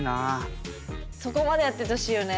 そこまでやっててほしいよね。